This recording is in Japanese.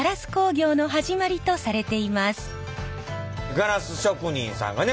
ガラス職人さんがね